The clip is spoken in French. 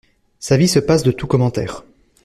Sa vie se passe de tout commentaire.